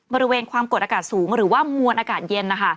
บริเวณความกดอากาศสูงหรือว่ามวลอากาศเย็นนะคะ